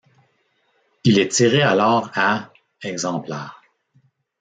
Il est tiré alors à exemplaires.